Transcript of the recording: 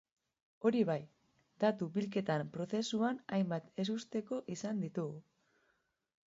Hori bai, datu-bilketa prozesuan hainbat ezusteko izan ditugu.